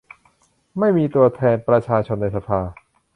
ไม่มีตัวแทนประชาชนในสภา